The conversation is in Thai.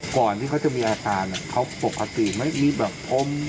ก่อนที่เขาจะมีอาการเขาปกติไหมมีแบบอม